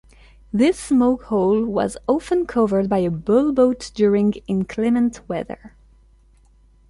This smoke hole was often covered by a bullboat during inclement weather.